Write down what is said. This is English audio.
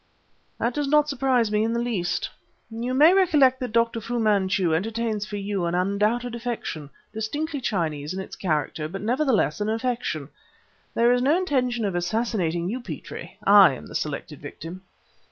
"That does not surprise me in the least. You may recollect that Dr. Fu Manchu entertains for you an undoubted affection, distinctly Chinese in its character, but nevertheless an affection! There is no intention of assassinating you, Petrie; I am the selected victim."